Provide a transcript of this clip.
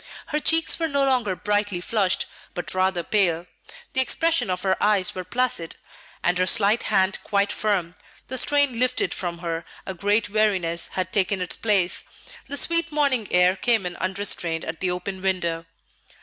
Her cheeks were no longer brightly flushed, but rather pale; the expression of her eyes was placid, and her slight hand quite firm; the strain lifted from her, a great weariness had taken its place. The sweet morning air came in unrestrained at the open window.